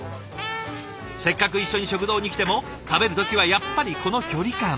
せっかく一緒に食堂に来ても食べる時はやっぱりこの距離感。